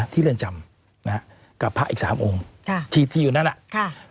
ที่เรือนจำนะกับพระอีก๓องค์ที่อยู่นั่นน่ะค่ะ